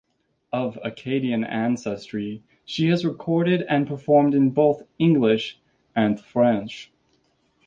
Of Acadian ancestry, she has recorded and performed in both English and French.